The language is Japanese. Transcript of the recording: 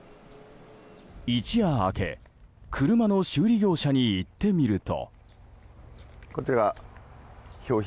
一夜明け、車の修理業者に行ってみると。